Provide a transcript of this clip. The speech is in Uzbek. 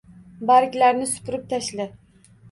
Barglarni supurib tashla.